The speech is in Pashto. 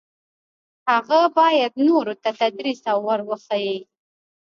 هغه باید نورو ته تدریس او ور وښيي.